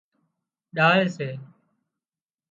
ڏاۯ سي